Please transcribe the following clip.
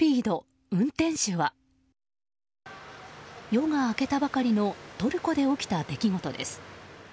夜が明けたばかりのトルコで起きた出来事です。